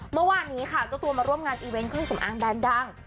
เมื่อวานนี้ค่ะเจ้าตัวมาร่วมงานอีเวนต์ก็ได้สำอางแบมดัง